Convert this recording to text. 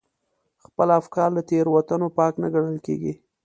خپل افکار له تېروتنو پاک نه ګڼل.